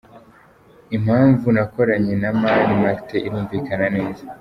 Impamvu nakoranye na Mani Martin irumvikana neza.